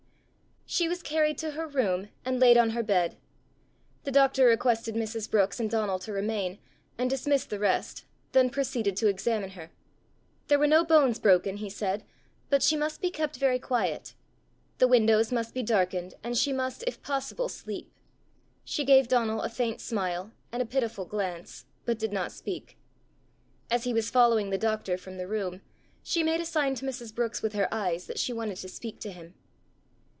She was carried to her room and laid on her bed. The doctor requested Mrs. Brookes and Donal to remain, and dismissed the rest, then proceeded to examine her. There were no bones broken, he said, but she must be kept very quiet. The windows must be darkened, and she must if possible sleep. She gave Donal a faint smile, and a pitiful glance, but did not speak. As he was following the doctor from the room, she made a sign to Mrs. Brookes with her eyes that she wanted to speak to him.